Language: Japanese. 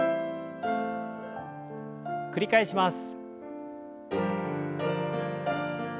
繰り返します。